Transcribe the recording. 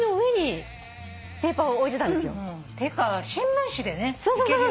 ていうか新聞紙でねいけるよね。